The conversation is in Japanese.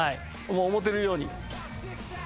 思うてるように。